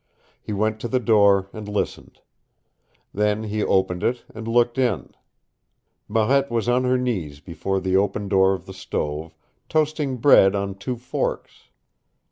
He went to the door and listened. Then he opened it and looked in. Marette was on her knees before the open door of the stove, toasting bread on two forks.